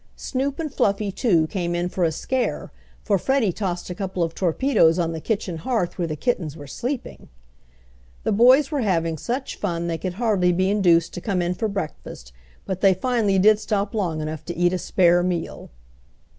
Snoop and Fluffy too came in for a scare, for Freddie tossed a couple of torpedoes on the kitchen hearth where the kittens were sleeping. The boys were having such fun they could hardly be induced to come in for breakfast, but they finally did stop long enough to eat a spare meal.